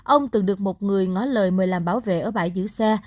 ông từng được một người ngó lời mời làm bảo vệ ở bãi giữ xe